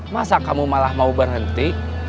masa kamu malah mau berhenti